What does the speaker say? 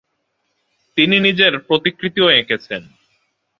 তিনি নিজের প্রতিকৃতিও এঁকেছেন।